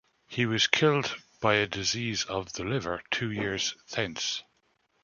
He was killed by a disease of the liver two years thence.